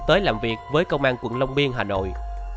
tới làm việc với công an quận long biên hà nội